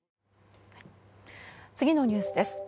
次のニュースです。